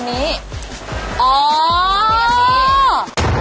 พูดทอธิบาย